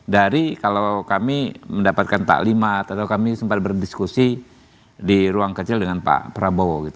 dari kalau kami mendapatkan taklimat atau kami sempat berdiskusi di ruang kecil dengan pak prabowo